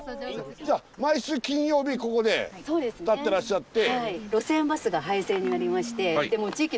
じゃあ毎週金曜日ここで立ってらっしゃって。